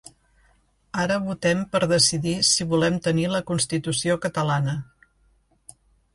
Ara votem per decidir si volem tenir la constitució catalana.